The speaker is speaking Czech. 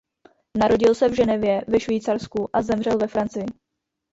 Narodil se v Ženevě ve Švýcarsku a zemřel ve Francii.